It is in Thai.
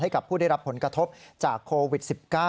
กับผู้ได้รับผลกระทบจากโควิด๑๙